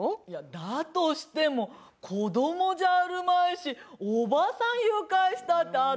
いやだとしても子どもじゃあるまいしおばさん誘拐したって。